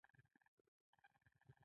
بشري مرستې له بیوزلو سره کیږي